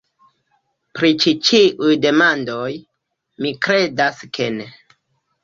Pri ĉi ĉiuj demandoj, mi kredas ke ne.